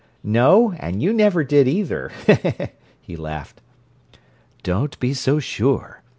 "No—and you never did either!" he laughed. "Don't be so sure!